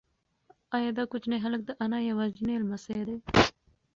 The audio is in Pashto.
ایا دا کوچنی هلک د انا یوازینی لمسی دی؟